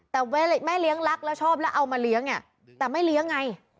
แต่แม่เลี้ยงรักแล้วชอบแล้วเอามาเลี้ยงเนี่ยแต่ไม่เลี้ยงไง